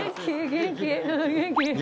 元気？